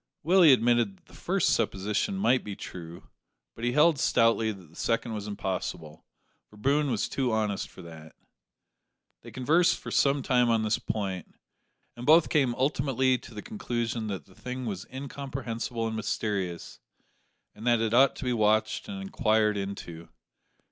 Willie admitted that the first supposition might be true, but he held stoutly that the second was impossible, for Boone was too honest for that. They conversed for some time on this point, and both came ultimately to the conclusion that the thing was incomprehensible and mysterious, and that it ought to be watched and inquired into.